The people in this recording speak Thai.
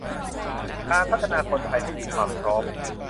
การพัฒนาคนไทยให้มีความพร้อม